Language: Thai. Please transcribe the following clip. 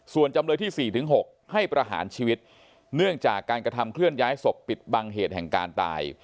ส่วนจำเลยที่๔๖ให้ประหารชีวิตเนื่องจากการกระทำเคลื่อนย้ายศพปิดบังเหตุแห่งการตาย